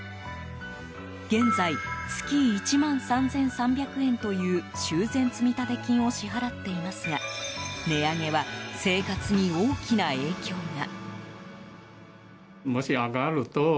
現在、月１万３３００円という修繕積立金を支払っていますが値上げは生活に大きな影響が。